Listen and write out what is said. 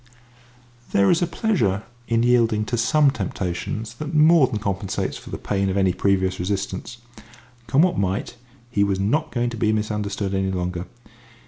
There is a pleasure in yielding to some temptations that more than compensates for the pain of any previous resistance. Come what might, he was not going to be misunderstood any longer.